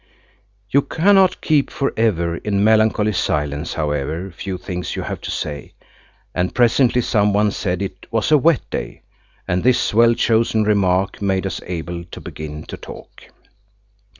You cannot keep for ever in melancholy silence however few things you have to say, and presently some one said it was a wet day, and this well chosen remark made us able to begin to talk.